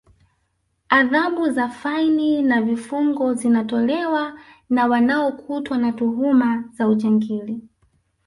adhabu za faini na vifungo zinatolewa wa wanaokutwa na tuhuma za ujangili